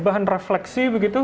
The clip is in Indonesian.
bahan refleksi begitu